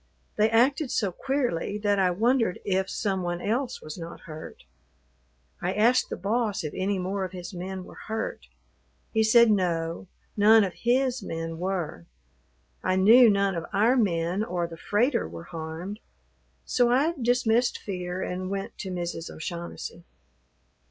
They acted so queerly that I wondered if some one else was not hurt. I asked the boss if any more of his men were hurt. He said no, none of his men were. I knew none of our men or the freighter were harmed, so I dismissed fear and went to Mrs. O'Shaughnessy.